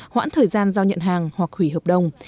hoãn thời gian giao nhận hàng hoặc hủy hợp đồng